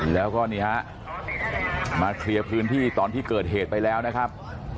แล้วก็นี่ฮะมาเคลียร์พื้นที่ตอนที่เกิดเหตุไปแล้วนะครับ